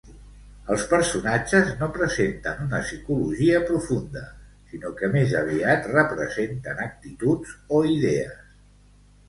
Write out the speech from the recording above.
Els personatges no presenten una psicologia profunda, sinó que més aviat representen actituds o idees.